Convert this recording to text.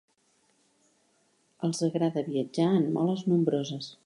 Els agrada viatjar en moles nombroses.